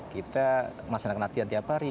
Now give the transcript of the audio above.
kita melaksanakan latihan tiap hari